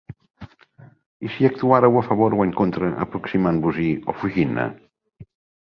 I si actuàreu a favor o en contra, aproximant-vos-hi o fugint-ne?